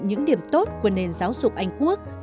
những điểm tốt của nền giáo dục anh quốc